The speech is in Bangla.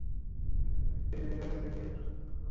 সেখানে তাঁর স্ত্রী নেই, যার কাছে গিয়ে একটু শান্তি লাভ করা যায়।